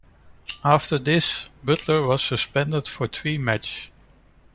After this, Butler was suspended for three match.